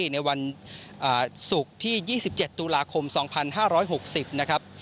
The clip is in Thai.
ในวันศุกร์ที่๒๗ตุลาคม๒๕๖๐นะครับ